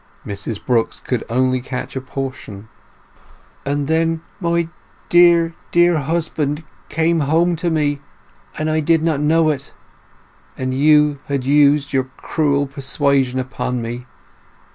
Mrs Brooks could only catch a portion: "And then my dear, dear husband came home to me ... and I did not know it!... And you had used your cruel persuasion upon me